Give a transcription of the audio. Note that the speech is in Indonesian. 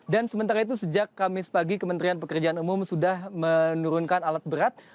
dan sementara itu sejak kamis pagi kementerian pekerjaan umum sudah menurunkan alat berat